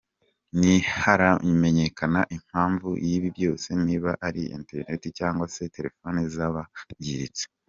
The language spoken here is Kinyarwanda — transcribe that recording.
Ntiharamenyekana impamvu y’ibi byose niba ari interineti cyangwa se telefoni zaba zangiritse.